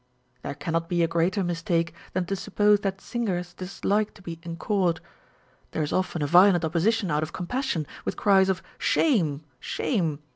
There cannot be a greater mistake than to suppose that singers dislike to be encored. There is often a violent opposition out of compassion, with cries of " Shame, shame